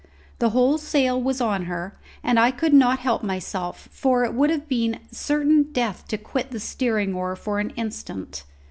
The whole sail was on her, and I could not help myself; for it would have been certain death to quit the steering oar for an instant.